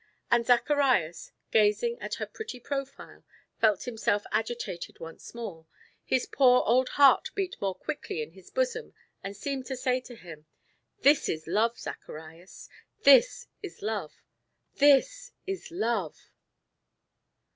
And Zacharias, gazing at her pretty profile, felt himself agitated once more, his poor old heart beat more quickly in his bosom and seemed to say to him: "This is love, Zacharias! This is love! This is love!"